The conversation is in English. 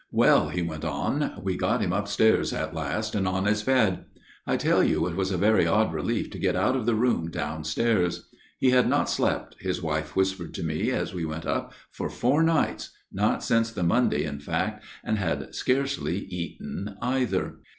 " Well," he went on, " we got him upstairs at last, and on his bed. I tell you it was a very odd relief to get out of the room downstairs. He had not slept, his wife whispered to me as we went up, for four nights, not since the Monday in fact, and had scarcely eaten either.